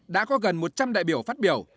đã có gần một trăm linh đại biểu phát biểu